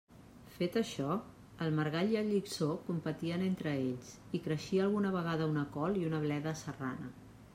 Fet això, el margall i el llicsó competien entre ells i creixia alguna vegada una col i una bleda serrana.